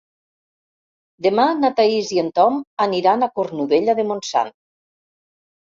Demà na Thaís i en Tom aniran a Cornudella de Montsant.